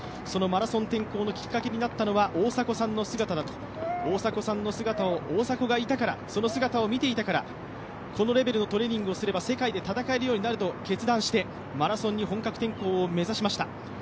そのマラソン転向のきっかけになったのは大迫さんの姿を、大迫がいたから、その姿を見ていたからこのレベルのトレーニングをすれば世界で戦えるようになると決断してマラソンに本格転向を目指しました。